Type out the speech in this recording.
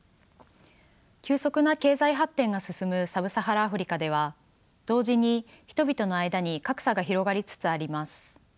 急速な経済発展が進むサブサハラアフリカでは同時に人々の間に格差が広がりつつあります。